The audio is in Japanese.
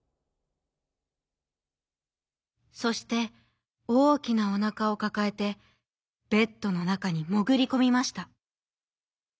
そしておおきなおなかをかかえてベッドのなかにもぐりこみました。